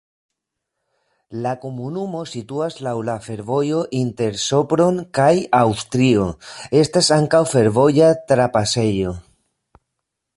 La komunumo situas laŭ la fervojo inter Sopron kaj Aŭstrio, estas ankaŭ fervoja trapasejo.